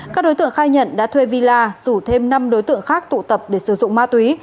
các đối tượng khai nhận đã thuê villa rủ thêm năm đối tượng khác tụ tập để sử dụng ma túy